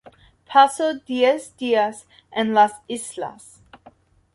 Pasó diez días en las islas.